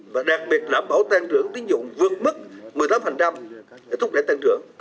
và đặc biệt là bảo tăng trưởng tiêu dụng vượt mức một mươi tám để thúc đẩy tăng trưởng